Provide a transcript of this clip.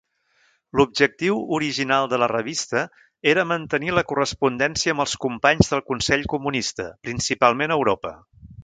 L'objectiu original de la revista era mantenir la correspondència amb els companys del consell comunista, principalment a Europa.